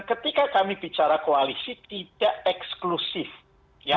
ketika kami bicara koalisi tidak eksklusif ya